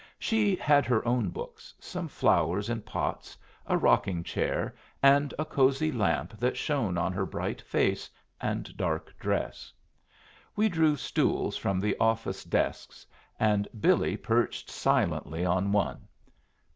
She had her own books, some flowers in pots, a rocking chair, and a cosey lamp that shone on her bright face and dark dress. We drew stools from the office desks, and Billy perched silently on one.